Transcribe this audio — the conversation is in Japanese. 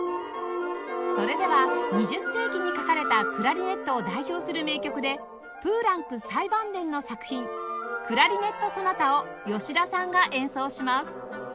それでは２０世紀に書かれたクラリネットを代表する名曲でプーランク最晩年の作品『クラリネット・ソナタ』を吉田さんが演奏します